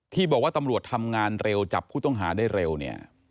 ที่บอกว่าตำรวจทำงานเร็วจับผู้ต้องหาได้เร็วเนี่ย